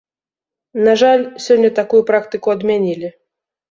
На жаль, сёння такую практыку адмянілі.